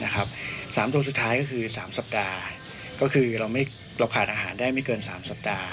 ๓ตัวสุดท้ายก็คือ๓สัปดาห์ก็คือเราขาดอาหารได้ไม่เกิน๓สัปดาห์